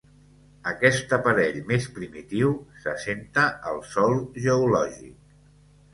Aquest aparell més primitiu s'assenta al sòl geològic.